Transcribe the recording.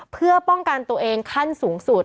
เพื่อป้องกันตัวเองขั้นสูงสุด